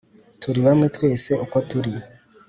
turi bamwe twese, uko turi